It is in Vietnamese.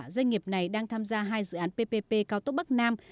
doanh nghiệp này đang tham gia hai dự án ppp cao tốc bắc nam